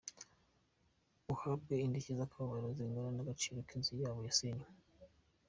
Uhabwe indishyi z’akababaro zingana n’agaciro k’inzu yabo yasenywe.